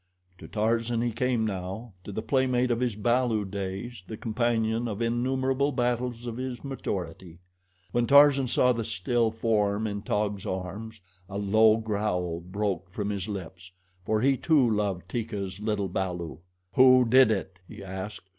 To Tarzan he came now to the playmate of his balu days, the companion of innumerable battles of his maturity. When Tarzan saw the still form in Taug's arms, a low growl broke from his lips, for he too loved Teeka's little balu. "Who did it?" he asked.